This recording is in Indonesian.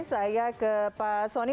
saya ke pak soni